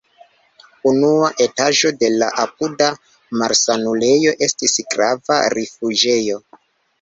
Unua etaĝo de la apuda malsanulejo estis grava rifuĝejo.